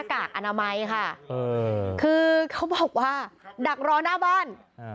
คือเขาบอกว่าดักรอน่าบ้าน